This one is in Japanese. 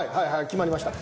決まりました。